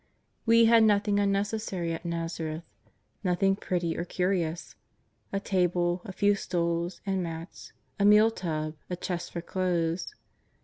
We had nothing imnecessary at ]N"azareth, nothing pretty or curious — a table, a few stools and mats, a meal tub, a chest for clothes.